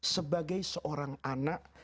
sebagai seorang anak